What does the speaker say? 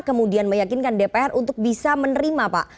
kemudian meyakinkan dpr untuk bisa menerima pak